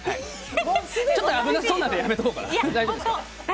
ちょっと危なさそうなのでやめておこうかな。